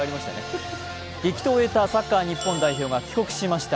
激闘を終えたサッカー日本代表が帰国しました。